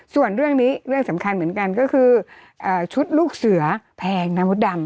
ส่วนเรื่องนี้เรื่องสำคัญเหมือนกันก็คือชุดลูกเสือแพงนะมดดำ